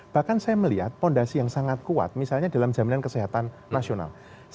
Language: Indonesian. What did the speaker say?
bahkan saya melihat fondasi yang sangat kuat misalnya dalam jaminan kesehatan nasional